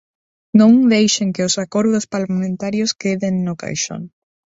Non deixen que os acordos parlamentarios queden no caixón.